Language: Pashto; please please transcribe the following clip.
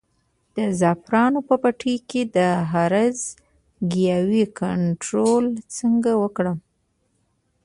د زعفرانو په پټي کې د هرزه ګیاوو کنټرول څنګه وکړم؟